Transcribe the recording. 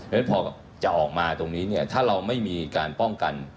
เพราะฉะนั้นพอจะออกมาตรงนี้เนี่ยถ้าเราไม่มีการป้องกัน